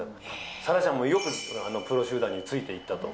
颯良ちゃんもよくプロ集団についていったと。